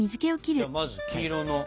じゃあまず黄色の。